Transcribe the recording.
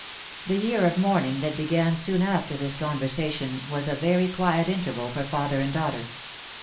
The year of mourning that began soon after this conversa tion was a very quiet interval for father and daughter.